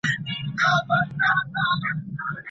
انرژي څښاک ولي منع دي؟